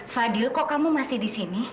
fadil kok kamu masih di sini